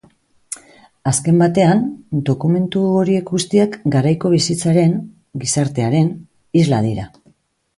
Azken batean, dokumentu horiek guztiak garaiko bizitzaren, gizartearen, isla dira.